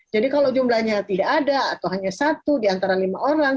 jadi kalau jumlahnya tidak ada atau hanya satu di antara lima orang